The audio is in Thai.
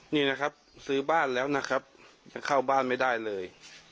นี่นะครับซื้อบ้านแล้วนะครับยังเข้าบ้านไม่ได้เลย